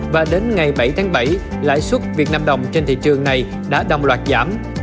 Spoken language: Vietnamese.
và đến ngày bảy tháng bảy lãi suất việt nam đồng trên thị trường này đã đồng loạt giảm